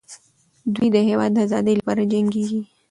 دوی د هېواد د ازادۍ لپاره جنګېږي.